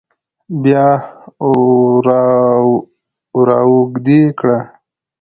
بيا وراوږدې کړه